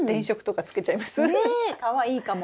かわいいかも。